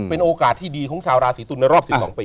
เป็นโอกาสที่ดีของชาวราศีตุลในรอบ๑๒ปี